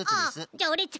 じゃあオレっち